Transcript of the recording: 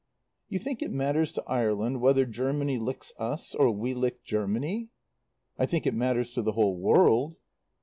"You think it matters to Ireland whether Germany licks us or we lick Germany?" "I think it matters to the whole world."